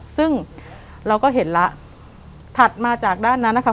ซึ่งเราก็เห็นแล้วถัดมาจากด้านนั้นนะคะ